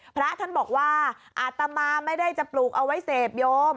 พระท่านบอกว่าอาตมาไม่ได้จะปลูกเอาไว้เสพโยม